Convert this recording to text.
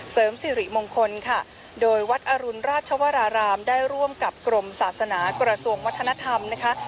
เสริมสิริมงคลค่ะโดยวัดอรุณราชวรารามได้ร่วมกับกรมศาสนากระทรวงวัฒนธรรมนะคะ